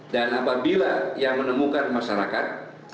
dan apabila yang menemukan masyarakat